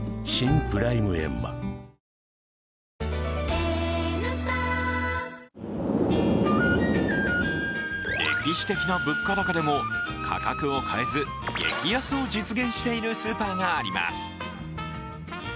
くーーーーーっ歴史的な物価高でも価格を変えず激安を実現しているスーパーがあります。